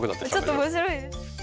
ちょっと面白いです。